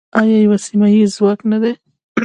آیا یو سیمه ییز ځواک نه دی؟